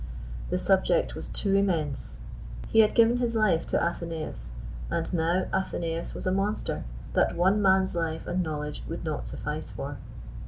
The subject was too immense. He had given his life to Athenaeus, and now Athenaeus was a monster that one man's life and knowledge would not suffice for.